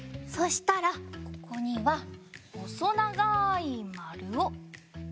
そしたらここにはほそながいまるをかくよ。